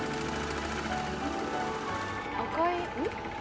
赤いん？